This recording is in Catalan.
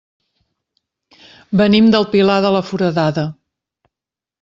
Venim del Pilar de la Foradada.